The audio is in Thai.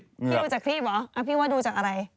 พี่ดูจากคลิปเหรอพี่ว่าดูจากอะไร